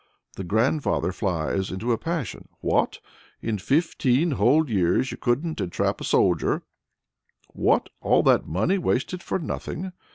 The "grandfather" flies into a passion. "What! in fifteen whole years you couldn't entrap a soldier! What, all that money wasted for nothing!